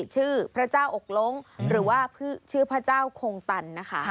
ชื่อพระเจ้าอกล้งหรือว่าชื่อพระเจ้าคงตันนะคะ